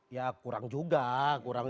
ya kurang juga kurang